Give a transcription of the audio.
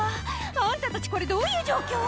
あんたたちこれどういう状況？